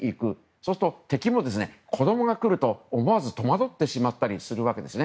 そうすると敵も子供が来ると思わずとまどってしまったりするわけです。